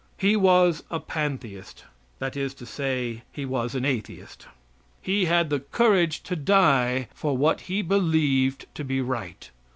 He was a pantheist that is to say, he was an atheist. He had the courage to die for what he believed to be right.